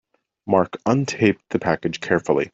Mark untaped the package carefully.